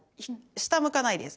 下向かないです。